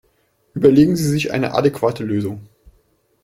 Überlegen Sie sich eine adäquate Lösung!